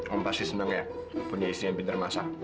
om pasti senang ya punya istri yang pinter masak